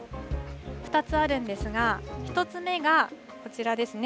２つあるんですが、１つ目がこちらですね。